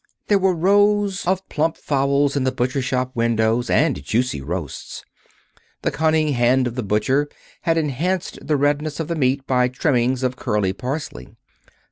There were rows of plump fowls in the butcher shop windows, and juicy roasts. The cunning hand of the butcher had enhanced the redness of the meat by trimmings of curly parsley.